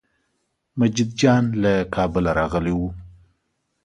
مجید جان له کابله راغلی و.